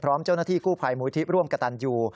พร้อมเจ้าหน้าที่คู่ภัยมูลทรีปร่วมกระตันอยู่